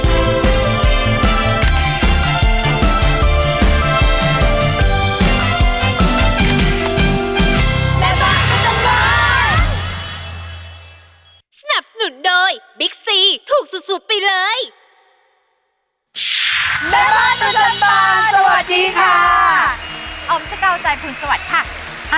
ออมเจ้าเจ้าใจภูมิสวัสดิ์ค่ะ